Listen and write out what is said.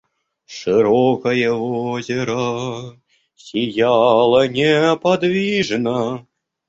Широкое озеро сияло неподвижно.